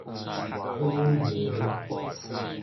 子游